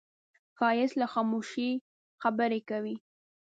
ښایست له خاموشۍ خبرې کوي